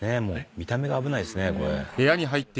もう見た目が危ないですねこれ。